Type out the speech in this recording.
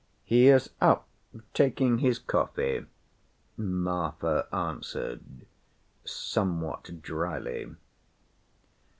"He is up, taking his coffee," Marfa answered somewhat dryly.